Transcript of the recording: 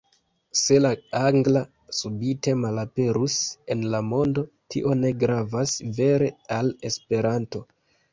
Se la angla subite malaperus de la mondo, tio ne gravas vere al Esperanto.